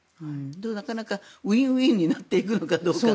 なかなかウィンウィンになっていくのかどうか。